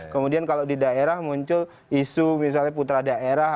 kemudian kalau di daerah muncul isu misalnya putra daerah